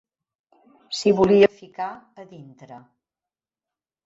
S'hi volia ficar a dintre